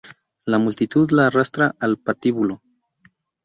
La multitud la arrastra al patíbulo.